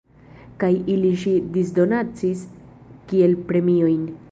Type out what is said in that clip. Kaj ilin ŝi disdonacis kiel premiojn.